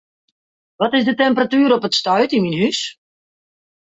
Wat is de temperatuer op it stuit yn myn hûs?